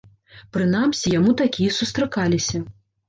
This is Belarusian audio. Прынамсі, яму такія сустракаліся.